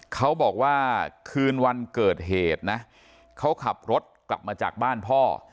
เขาบอกว่าคืนวันเกิดเหตุนะเขาขับรถกลับมาจากบ้านพ่อ